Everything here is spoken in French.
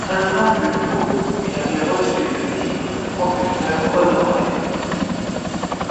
Un an plus tôt, il avait reçu le titre de professeur honoraire.